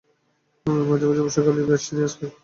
মাঝে মাঝে অবশ্যি গল্প-উপন্যাসও বেশ সিরিয়াস হয়।